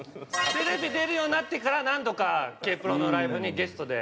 テレビ出るようになってから何度かＫ−ＰＲＯのライブにゲストで。